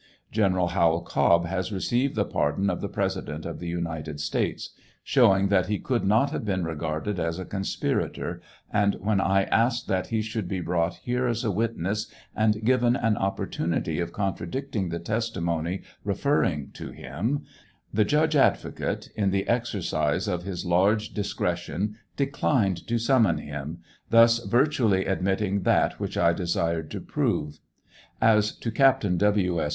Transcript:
General Howell Cobb has received the pardon of the President of the United States, showing that he could not have been regarded as a conspirator, and when I asked that he should be brought here as a witness and given an opportunity of contradicting the testimony referring to him, the judge advocate in the exercise of his large discretion declined to summon him, thus virtually admitting that which I desired to prove. As to Captain W. 8.